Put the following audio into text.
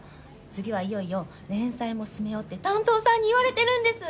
次はいよいよ連載も進めようって担当さんに言われてるんです！